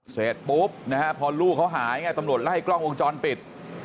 เสร็จปุ๊บนะฮะพอลูกเขาหายไงตำรวจไล่กล้องวงจรปิด